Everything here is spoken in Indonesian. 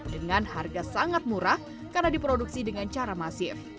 dengan harga sangat murah karena diproduksi dengan cara masif